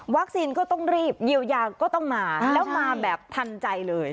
ก็ต้องรีบเยียวยาก็ต้องมาแล้วมาแบบทันใจเลย